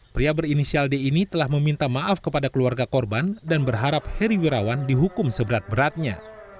pria berinisial d ini telah meminta maaf kepada keluarga korban dan berharap heri wirawan dihukum seberat beratnya